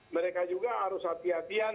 mereka juga harus hati hatian